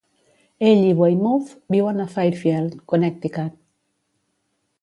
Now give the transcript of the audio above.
Ell i Weymouth viuen a Fairfield, Connecticut.